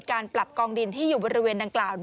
การปรับกองดินที่อยู่บริเวณดังกล่าว